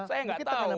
saya tidak tahu